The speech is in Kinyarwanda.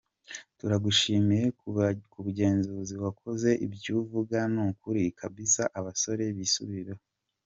Turagushimiye kubugenzuzi wa koze ibyouvuga nukuri kabisa abasore bisubireho.